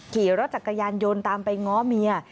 ขี่รถจักรยานยนต์ตามไปง้อเมีย